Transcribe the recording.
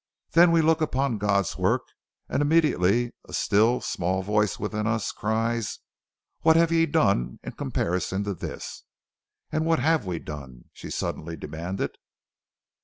Then we look upon God's work and immediately a still, small voice within us cries: 'What have ye done in comparison to this?' And what have we done?" she suddenly demanded.